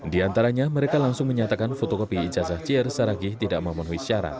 di antaranya mereka langsung menyatakan fotokopi ijazah jr saragih tidak memenuhi syarat